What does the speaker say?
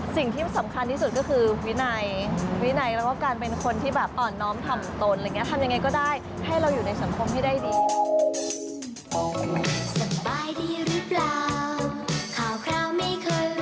สิ่งที่สำคัญที่สุดก็คือวินัยวินัยแล้วก็การเป็นคนที่แบบอ่อนน้อมทำตนอะไรอย่างนี้ทำยังไงก็ได้ให้เราอยู่ในสังคมให้ได้ดี